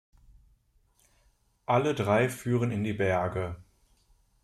Alle drei führen in die Berge.